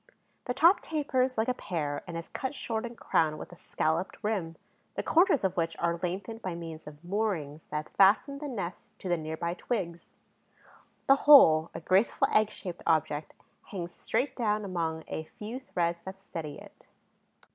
The top tapers like a pear and is cut short and crowned with a scalloped rim, the corners of which are lengthened by means of moorings that fasten the nest to the near by twigs. The whole, a graceful egg shaped object, hangs straight down among a few threads that steady it.